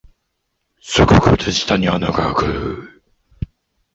すぐ靴下に穴があく